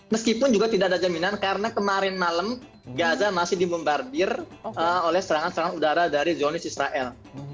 meskipun juga tidak ada jaminan karena kemarin malam gaza masih dibombardir oleh serangan serangan udara dari zonis israel